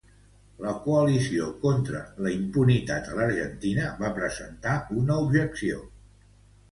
La Coalició contra la Impunitat a l'Argentina va presentar una objecció.